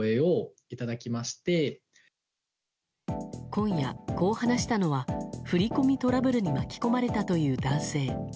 今夜、こう話したのは振り込みトラブルに巻き込まれたという男性。